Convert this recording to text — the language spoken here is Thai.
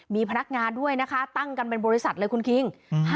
มีพนักงานด้วยนะคะตั้งกันเป็นบริษัทเลยคุณคิง